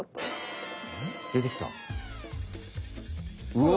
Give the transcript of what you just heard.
うわ！